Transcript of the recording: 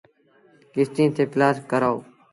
ڪستيٚن تي پلآٽ ڪرآئوٚݩ۔